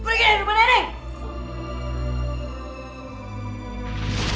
pergi di rumah nenek